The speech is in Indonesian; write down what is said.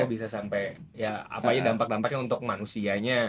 bisa sampai ya apa ya dampak dampaknya untuk manusianya